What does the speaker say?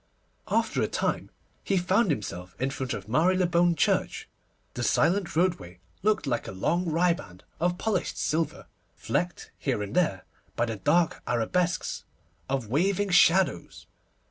After a time he found himself in front of Marylebone Church. The silent roadway looked like a long riband of polished silver, flecked here and there by the dark arabesques of waving shadows.